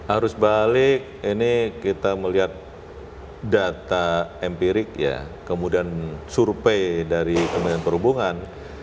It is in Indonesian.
arus balik ini kita melihat data empirik ya kemudian survei dari kementerian perhubungan